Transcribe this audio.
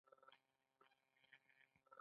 د فلز کارۍ په برخه کې نوي تخنیکونه معرفي کړل.